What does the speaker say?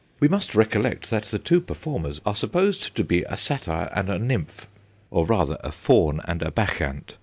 We must recollect that the two performers are supposed to be a Satyr and a Nymph ; or, rather, a Fawn and a Bacchant.